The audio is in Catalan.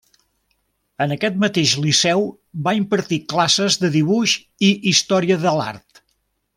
En aquest mateix liceu va impartir classes de dibuix i història de l'art.